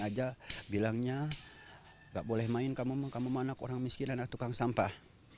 saya ingin membuat sampah ini untuk orang miskin dan tukang sampah